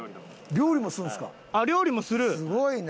料理もする？